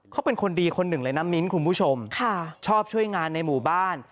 เขาเป็นคนดีคนหนึ่งเลยนะมิ้นคุณผู้ชมชอบช่วยงานในหมู่บ้าน